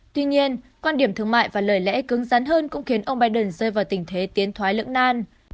tuy nhiên quan điểm thương mại và lời lẽ cứng rắn hơn cũng khiến ông biden rơi vào tình thế tiến thoái lưỡng nan